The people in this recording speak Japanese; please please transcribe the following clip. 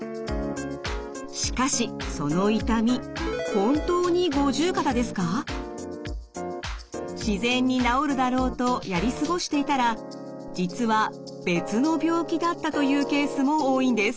しかしその痛み自然に治るだろうとやり過ごしていたら実は別の病気だったというケースも多いんです。